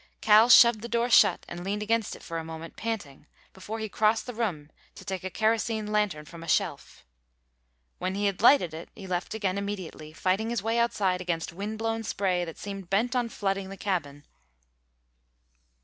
Cal shoved the door shut and leaned against it for a moment, panting, before he crossed the room to take a kerosene lantern from a shelf. When he had lighted it he left again immediately, fighting his way outside against wind blown spray that seemed bent on flooding the cabin.